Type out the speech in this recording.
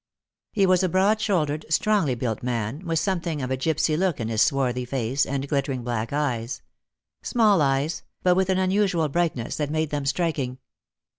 He was a broad shouldered, strongly built man, with some thing of a gipsy look in his swarthy face and glittering black eyes — small eyes, but with an unusual brightness that made them striking.